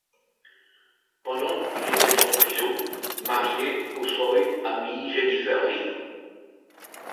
Pendant qu'il était en prison, marié Hosoi amie Jennifer Lee.